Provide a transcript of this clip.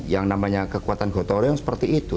yang namanya kekuatan gotorium seperti itu